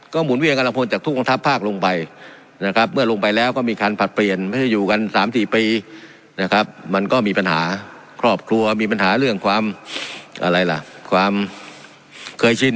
หมุนเวียนกำลังพลจากทุกกองทัพภาคลงไปนะครับเมื่อลงไปแล้วก็มีการผลัดเปลี่ยนไม่ใช่อยู่กัน๓๔ปีนะครับมันก็มีปัญหาครอบครัวมีปัญหาเรื่องความอะไรล่ะความเคยชิน